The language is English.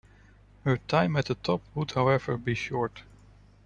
Her time at the top would however be short.